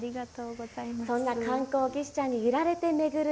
そんな観光牛車に揺られて巡る